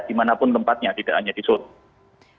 dimanapun tempatnya tidak hanya di seoul